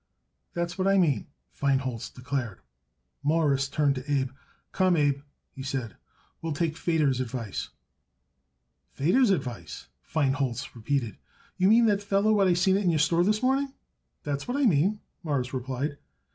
"That's what I mean," Feinholz declared. Morris turned to Abe. "Come, Abe," he said, "we'll take Feder's advice." "Feder's advice?" Feinholz repeated. "You mean that feller what I seen it in your store this morning?" "That's what I mean," Morris replied.